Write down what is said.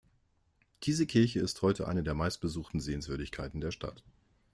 Diese Kirche ist heute eine der meistbesuchten Sehenswürdigkeiten der Stadt.